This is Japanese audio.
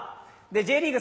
Ｊリーグ